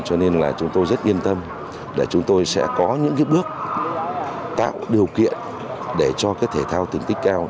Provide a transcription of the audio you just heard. cho nên là chúng tôi rất yên tâm để chúng tôi sẽ có những bước tạo điều kiện để cho thể thao thành tích cao